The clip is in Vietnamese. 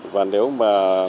và nếu mà